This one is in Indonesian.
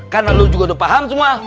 karena lo juga udah paham semua